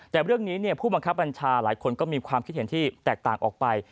แต่เรื่องนี้ผู้บังคับบัญชาหลายคนก็มีความคิดเห็นที่แตกต่างออกไป